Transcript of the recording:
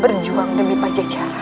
berjuang demi pajajaran